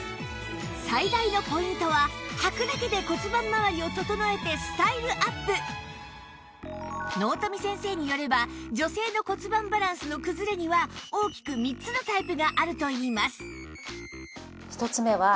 最大のポイントは納富先生によれば女性の骨盤バランスの崩れには大きく３つのタイプがあるといいます